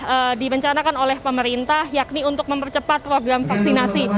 sudah dimencanakan oleh pemerintah yakni untuk mempercepat program vaksinasi